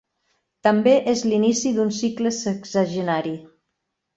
També és l"inici d"un cicle sexagenari.